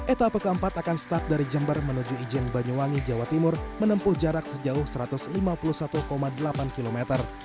etapa keempat akan start dari jember menuju ijen banyuwangi jawa timur menempuh jarak sejauh satu ratus lima puluh satu delapan km